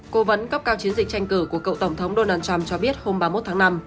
cố vấn cấp cao chiến dịch tranh cử của cựu tổng thống donald trump cho biết hôm ba mươi một tháng năm